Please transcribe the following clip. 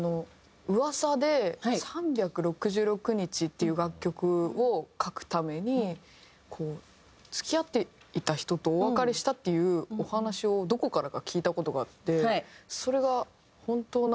噂で『３６６日』っていう楽曲を書くために付き合っていた人とお別れしたっていうお話をどこからか聞いた事があってそれが本当なのかな？と思って。